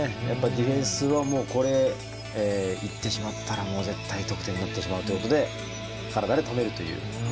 ディフェンスはこれ行ってしまったら絶対、得点になってしまうということで体で止めるという。